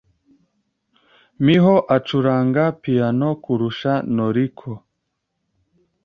Miho acuranga piyano kurusha Noriko.